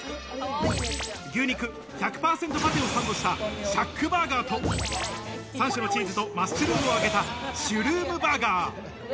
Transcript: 牛肉１００％パテをサンドしたシャックバーガーと、３種のチーズとマッシュルームを揚げたシュルームバーガー。